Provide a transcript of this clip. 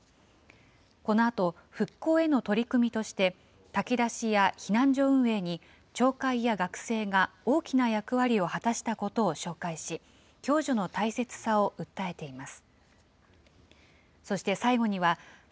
このあと、復興への取り組みとして、炊き出しや避難所運営に町会や学生が大きな役割を果たしたことを紹介し、共助の大切さを訴えています。